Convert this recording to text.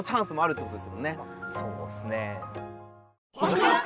そうですね。